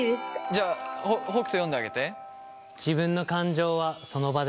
じゃあ北斗読んであげて。